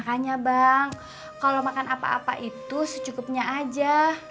makanya bang kalau makan apa apa itu secukupnya aja